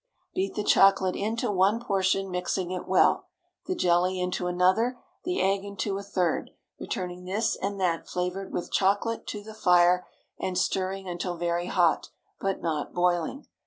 Beat the chocolate into one portion, mixing it well; the jelly into another, the egg into a third, returning this and that flavored with chocolate, to the fire, and stirring until very hot, but not boiling.